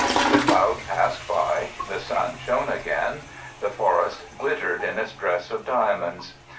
The cloud passed by, the sun shone again, the forest glittered in its dress of diamonds.